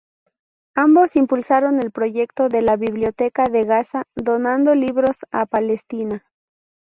Ambos impulsaron el proyecto de la biblioteca de Gaza, donando libros a Palestina.